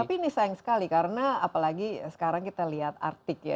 tapi ini sayang sekali karena apalagi sekarang kita lihat artik ya